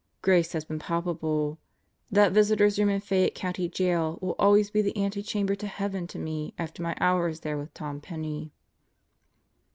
Grace has been palpable. That Visitors' Room in Fayette County Jail will always be the antechamber to heaven to me after my hours there with Tom Penney."